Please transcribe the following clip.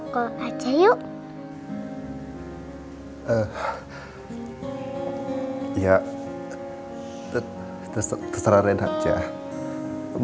kiber sisters dan past untuk kamu